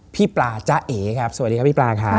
พี่ปลาจ๊ะเอ๋ครับสวัสดีครับพี่ปลาครับ